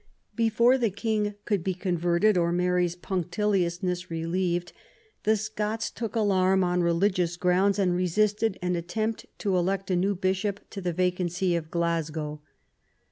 Before the King could be converted, or Mary's punctiliousness relieved, the Scots took alarm on religious grounds, and resisted an attempt to elect a new bishop to the vacant See of Glasgow.